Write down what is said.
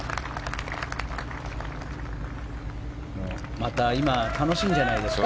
また、今楽しいんじゃないですか？